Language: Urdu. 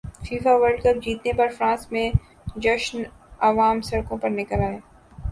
فیفاورلڈ کپ جیتنے پر فرانس میں جشنعوام سڑکوں پر نکل ائے